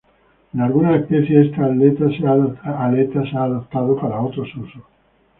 En algunas especies esta aleta se ha adaptado para otros usos.